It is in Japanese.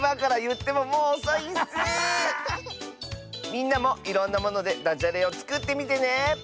みんなもいろんなものでだじゃれをつくってみてね！